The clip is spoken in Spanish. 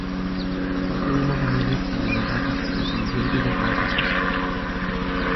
Hijo de una familia adinerada, descendientes de franceses.